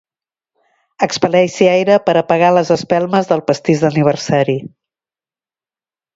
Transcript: Expel·leixi aire per apagar les espelmes del pastís d'aniversari.